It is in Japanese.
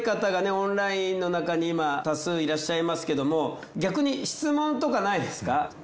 オンラインの中に今多数いらっしゃいますけども逆に質問とかないですか？